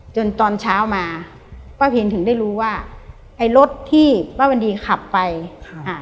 จนตอนเช้ามาก็เห็นถึงได้รู้ว่าไอรถที่ปะวันดีขับไปอ่า